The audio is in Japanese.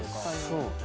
そうね。